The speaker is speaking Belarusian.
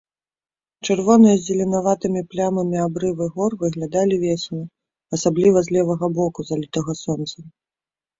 Чырвоныя з зеленаватымі плямамі абрывы гор выглядалі весела, асабліва з левага боку, залітага сонцам.